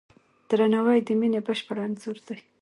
درناوی د مینې بشپړ انځور دی.